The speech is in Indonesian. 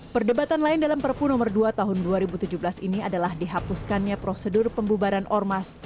perdebatan lain dalam perpu nomor dua tahun dua ribu tujuh belas ini adalah dihapuskannya prosedur pembubaran ormas